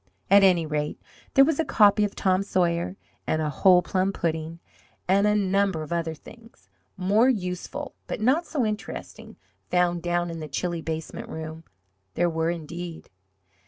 At any rate there was a copy of "Tom Sawyer," and a whole plum pudding, and a number of other things, more useful but not so interesting, found down in the chilly basement room. There were, indeed.